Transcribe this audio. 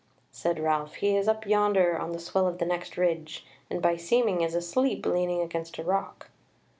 Said Ralph: "He is up yonder on the swell of the next ridge, and by seeming is asleep leaning against a rock."